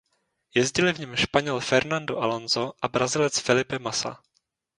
Jezdili v něm Španěl Fernando Alonso a Brazilec Felipe Massa.